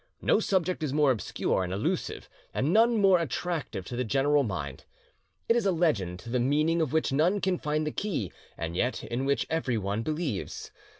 No subject is more obscure and elusive, and none more attractive to the general mind. It is a legend to the meaning of which none can find the key and yet in which everyone believes.